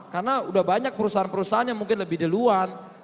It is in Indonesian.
karena udah banyak perusahaan perusahaan yang mungkin lebih deluan